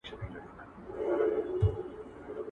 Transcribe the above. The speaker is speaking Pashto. چي دايي گاني ډيري سي، د کوچني سر کوږ راځي.